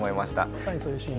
まさにそういうシーン。